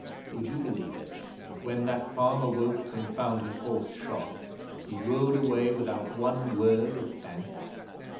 'Would you believe it, that when that farmer woke and found his horse shod he rode away without one word of thanks?